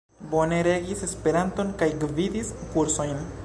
Bone regis Esperanton kaj gvidis kursojn.